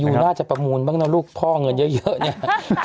น่าจะประมูลบ้างนะลูกพ่อเงินเยอะเนี่ย